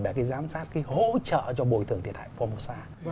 đó là cái giám sát cái hỗ trợ cho bồi tưởng thiệt hại formosa